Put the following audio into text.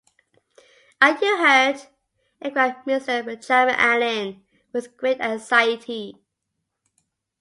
‘Are you hurt?’ inquired Mr. Benjamin Allen, with great anxiety.